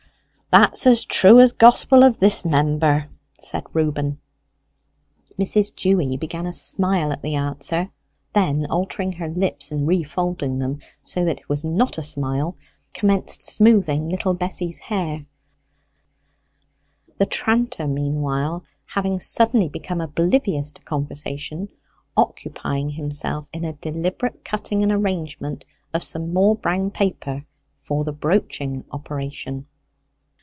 "That's as true as gospel of this member," said Reuben. Mrs. Dewy began a smile at the answer, then altering her lips and refolding them so that it was not a smile, commenced smoothing little Bessy's hair; the tranter having meanwhile suddenly become oblivious to conversation, occupying himself in a deliberate cutting and arrangement of some more brown paper for the broaching operation.